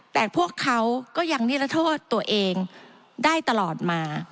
แต่พวกเขาก็ยังนิรโทษตัวเองได้ตลอดมา